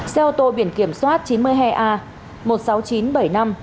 xe ô tô biển kiểm soát chín mươi hai a